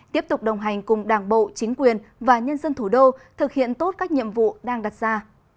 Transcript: tiếp tục đồng hành cùng đảng bộ chính quyền và nhân dân thủ đô thực hiện tốt các nhiệm vụ đang đặt ra